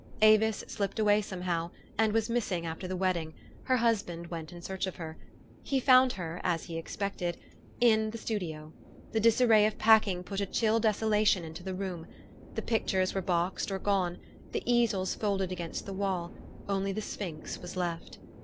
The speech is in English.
Avis slipped away somehow, and was missing after the wedding : her husband went in search of her. He found her, as he had expected, in the 232 THE STORY OF AVIS. studio. The disarray of packing put a chill deso lation into the room. The pictures were boxed or gone ; the easels folded against the wall ; only the sphinx was left.